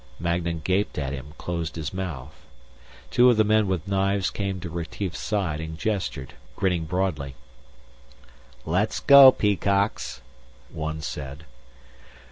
Magnan gaped at him, closed his mouth. Two of the men with knives came to Retief's side and gestured, grinning broadly. "Let's go, peacocks," one said.